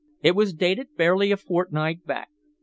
It was dated barely a fortnight back.